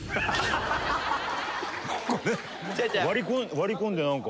割り込んで何か。